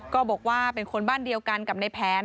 ก็บอกว่าเป็นคนบ้านเดียวกันกับในแผน